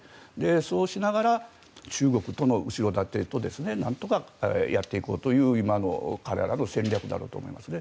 そうしながら、中国の後ろ盾となんとかやっていこうという今の彼らの戦略だと思いますね。